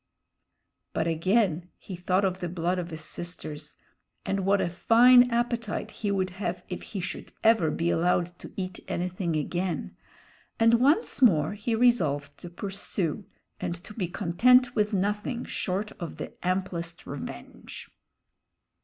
But again he thought of the blood of his sisters, and what a fine appetite he would have if he should ever be allowed to eat anything again, and once more he resolved to pursue and to be content with nothing short of the amplest revenge.